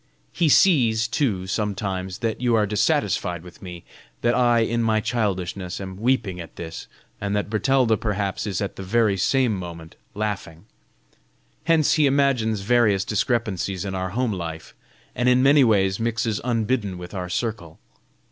He sees, too, sometimes, that you are dissatisfied with me; that I, in my childishness, am weeping at this, and that Bertalda perhaps is at the very same moment laughing. Hence he imagines various discrepancies in our home life, and in many ways mixes unbidden with our circle.